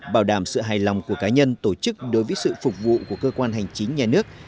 bảo đảm sự hài lòng của cá nhân tổ chức đối với sự phục vụ của cơ quan hành chính nhà nước